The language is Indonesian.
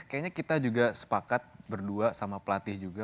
kayaknya kita juga sepakat berdua sama pelatih juga